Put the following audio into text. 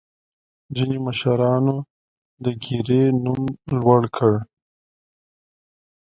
ځینې مشرانو د ګیرې نوم لوړ کړ.